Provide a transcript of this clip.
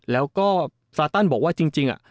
แล้วก็ซาตันบอกว่าจริง